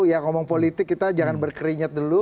ya ngomong politik kita jangan berkeringat dulu